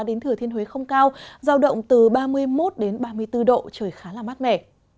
đến thừa thiên huế không cao giao động từ ba mươi một đến ba mươi bốn độ trời khá là mát mẻ